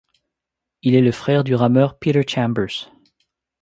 Il est le frère du rameur Peter Chambers.